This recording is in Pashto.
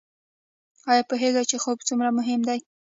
ایا پوهیږئ چې خوب څومره مهم دی؟